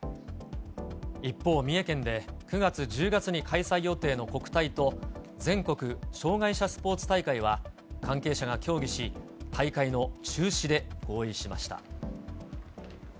一方、三重県で９月、１０月に開催予定の国体と全国障害者スポーツ大会は関係者が協議し、大会の中止で合意しました。